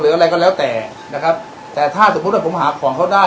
อะไรก็แล้วแต่นะครับแต่ถ้าสมมุติว่าผมหาของเขาได้